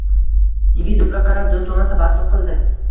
Yigit unga qarab do`stona tabassum qildi